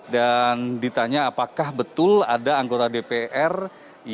dan ditanya apakah betul ada anggota dpr yang